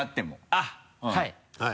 あっはい。